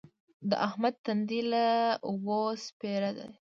د احمد تندی له اوله سپېره دی.